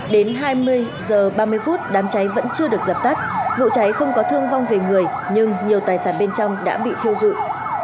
đến hai mươi h ba mươi phút đám cháy vẫn chưa được dập tắt vụ cháy không có thương vong về người nhưng nhiều tài sản bên trong đã bị thiêu dụi